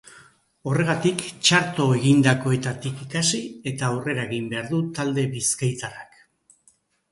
Horregatik, txarto egindakoetatik ikasi eta aurrera egin behar du talde bizkaitarrak.